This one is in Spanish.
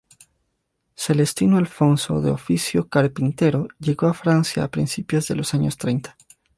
Celestino Alfonso, de oficio carpintero, llegó a Francia a principios de los años treinta.